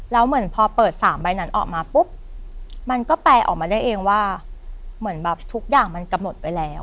แล้วเหมือนพอเปิด๓ใบนั้นออกมาปุ๊บมันก็แปลออกมาได้เองว่าเหมือนแบบทุกอย่างมันกำหนดไว้แล้ว